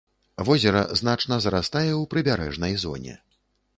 Возера значна зарастае ў прыбярэжнай зоне.